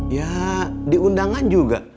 ya diundangan juga